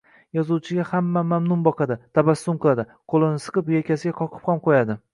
Yozuvchiga hamma mamnun boqadi, tabassum qiladi, qoʻlini siqib, yelkasiga qoqib ham qoʻyadi